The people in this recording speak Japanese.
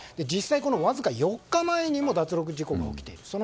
実際、わずか４日前にも脱落事故が起きている。